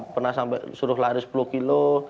pernah sampai suruh lari sepuluh kilo